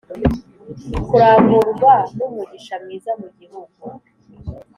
kuramburwa n'umugisha mwiza mu gihugu,